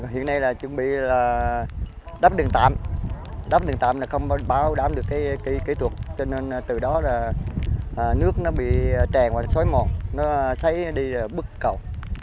hiện nay là chuẩn bị đắp đường tạm đắp đường tạm là không bảo đảm được cái kỹ thuật cho nên từ đó là nước nó bị tràn vào xói mòn nó xáy đi bức cầu